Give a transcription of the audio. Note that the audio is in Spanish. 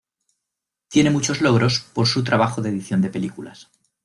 Tiene muchos logros por su trabajo de edición de películas.